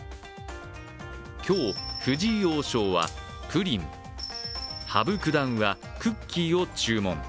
今日、藤井王将はプリン、羽生九段はクッキーを注文。